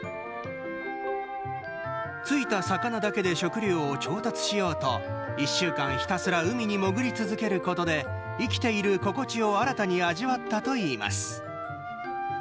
突いた魚だけで食料を調達しようと１週間ひたすら海に潜り続けることで生きている心地を新たに味わったといいます。